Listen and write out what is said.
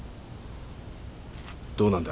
どうなんだ？